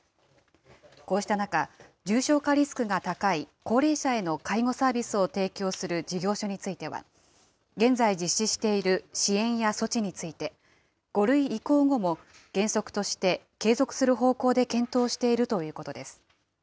こうした中、重症化リスクが高い高齢者への介護サービスを提供する事業所については、現在実施している支援や措置について、５類移行後も原則として継続する方向で検討しているということです。